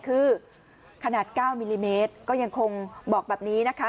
คือขนาด๙มิลลิเมตรก็ยังคงบอกแบบนี้นะคะ